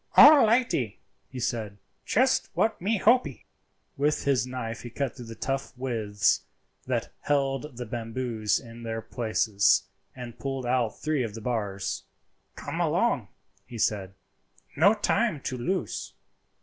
"All lightee," he said; "just what me hopee." With his knife he cut the tough withes that held the bamboos in their places, and pulled out three of the bars. "Come along," he said; "no time to lose."